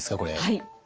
はい。